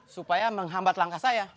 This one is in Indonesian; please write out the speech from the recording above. supaya menghambat langkah saya